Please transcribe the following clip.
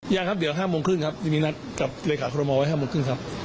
ยังครับเดี๋ยว๕โมงครึ่งครับยังมีนัดให้กับเหลฝาศาสตร์ศิลป์น้ำบังวัด๕๓๐ครับ